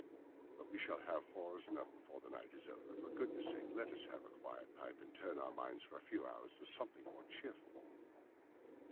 But we shall have horrors enough before the night is over; for goodness' sake let us have a quiet pipe and turn our minds for a few hours to something more cheerful."